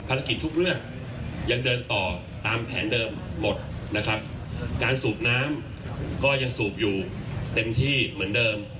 ทุกเรื่องยังเดินต่อตามแผนเดิมหมดนะครับการสูบน้ำก็ยังสูบอยู่เต็มที่เหมือนเดิม